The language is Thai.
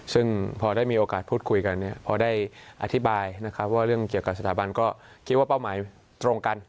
ซึ่งพอได้มีโอกาสพูดคุยกันเนี่ยพอได้อธิบายนะครับว่าเรื่องเกี่ยวกับสถาบันก็คิดว่าเป้าหมายตรงกัน